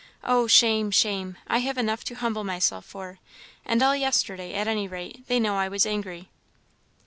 Oh, shame! shame! I have enough to humble myself for. And all yesterday, at any rate, they know I was angry."